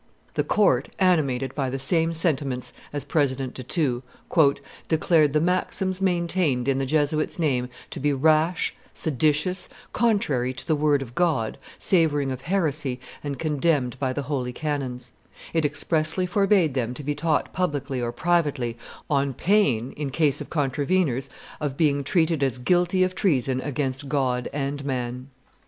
The court, animated by the same sentiments as President do Thou, "declared the maxims maintained in the Jesuits' name to be rash, seditious, contrary to the word of God, savoring of heresy and condemned by the holy canons; it expressly forbade them to be taught publicly or privately, on pain, in case of contraveners, of being treated as guilty of treason against God and man.